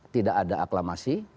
tidak ada aklamasi